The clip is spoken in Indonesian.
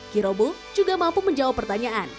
ki robo juga mampu menjawab pertanyaan